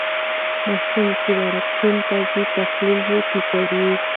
ماشوم چې وړکتون ته ځي تحلیل یې ټیټ وي.